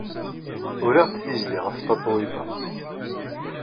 Uriɣ-d tizlit ɣef Tatoeba.